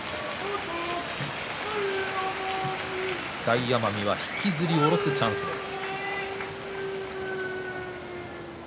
大奄美は引きずり下ろすチャンスです。